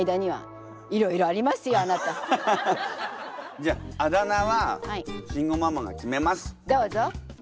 じゃああだ名は慎吾ママが決めます。